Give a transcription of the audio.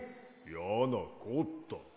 やなこった。